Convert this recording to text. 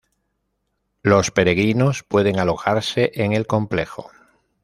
Los peregrinos pueden alojarse en el complejo.